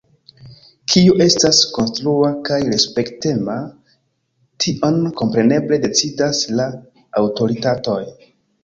Kio estas “konstrua” kaj “respektema”, tion kompreneble decidas la aŭtoritatoj.